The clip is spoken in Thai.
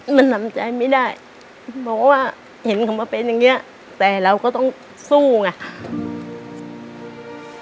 มันทำใจไม่ได้บอกว่าเห็นเขามาเป็นอย่างนี้แต่เราก็ต้องสู้ไง